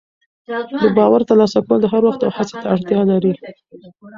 د باور ترلاسه کول وخت او هڅې ته اړتیا لري.